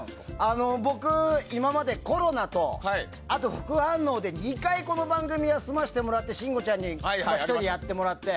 僕、今までコロナと副反応で２回この番組を休ませてもらって、信五ちゃんに１人でやってもらって。